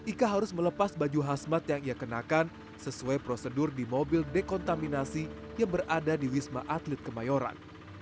ika harus melepas baju khasmat yang ia kenakan sesuai prosedur di mobil dekontaminasi yang berada di wisma atlet kemayoran